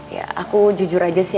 ya aku jujur aja sih